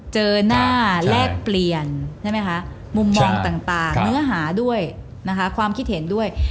เจอหน้าแลกเปลี่ยนใช่ไหมคะมุมมองต่างเนื้อหาด้วยนะคะความคิดเห็นด้วย